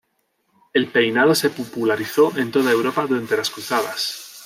El peinado se popularizó en toda Europa durante las Cruzadas.